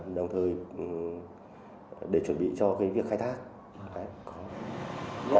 đồng thời để chuẩn bị cho việc khai thác